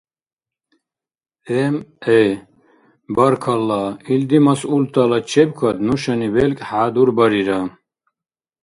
М.Гӏ.: — Баркалла, илди масъултала чебкад нушани белкӏ хӏядурбарира.